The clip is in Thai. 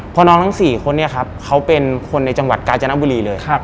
เพราะน้องทั้ง๔คนเนี่ยครับเขาเป็นคนในจังหวัดกาญจนบุรีเลย